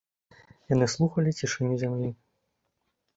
Яны слухалі цішыню зямлі.